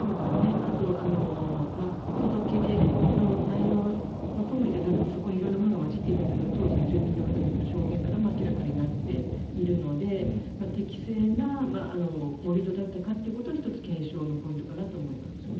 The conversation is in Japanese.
あと、届け出の内容のとおりじゃなくてそこに色々なものが混じっていたという当時の住民の方たちの証言からも明らかになっていたので適正な盛り土だったかということは１つ、検証のポイントかなとは思いますね。